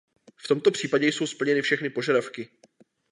V tomto případě jsou splněny všechny požadavky.